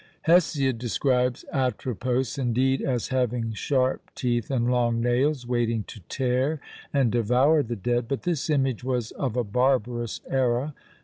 Hesiod describes Atropos indeed as having sharp teeth and long nails, waiting to tear and devour the dead; but this image was of a barbarous era.